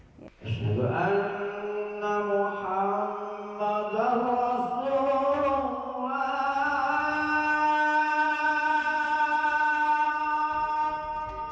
subanna muhammadah rasulullah